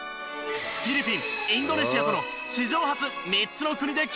フィリピンインドネシアとの史上初３つの国で共同開催！